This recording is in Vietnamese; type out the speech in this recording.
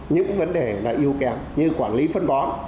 những vấn đề yếu kém như quản lý phân bón